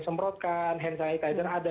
semprotkan hand sanitizer ada